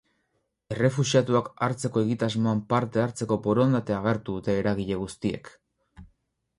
Errefuxiatuak hartzeko egitasmoan parte hartzeko borondatea agertu dute eragile guztiek.